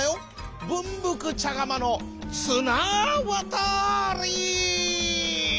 ぶんぶくちゃがまのつなわたり」。